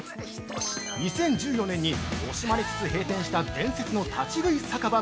◆２０１４年に惜しまれつつ閉店した伝説の立ち食い酒場